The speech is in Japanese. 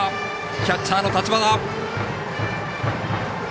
キャッチャーの立花。